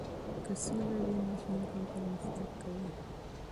که سوله وي موږ نور هم پرمختګ کوو.